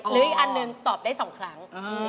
หรืออีกอันหนึ่งตอบได้๒ครั้ง